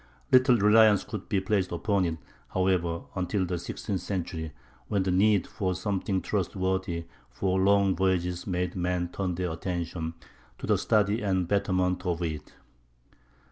Little reliance could be placed upon it, however, until the sixteenth century, when the need for something trustworthy for long voyages made men turn their attention to the study and betterment of it.